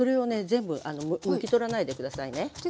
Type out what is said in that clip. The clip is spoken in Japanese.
全部むきとらないで下さいね。